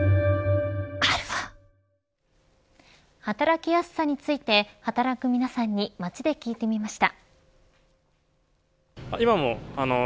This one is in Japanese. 働きやすさについて働く皆さんに街で聞いてみました。